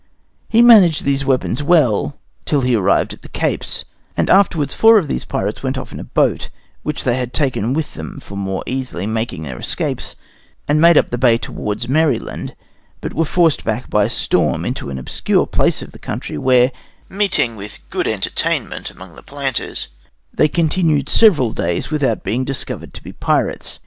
He managed these weapons well till he arrived at the Capes; and afterwards four of the pirates went off in a boat, which they had taken with them for the more easily making their escapes, and made up the bay towards Maryland, but were forced back by a storm into an obscure place of the country, where, meeting with good entertainment among the planters, they continued several days without being discovered to be pirates.